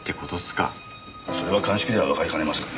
それは鑑識ではわかりかねますがね。